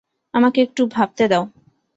আমাকে একটু ভাবতে দাও।